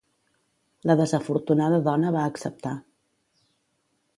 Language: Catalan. La desafortunada dona va acceptar.